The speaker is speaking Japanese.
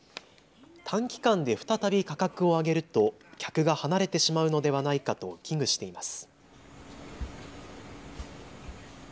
短期間で再び価格を上げると客が離れてしまうのではないかと危惧しています。